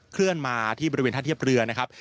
เคลื่อนมาที่บริเวณท่าเทียบเรือนะครับ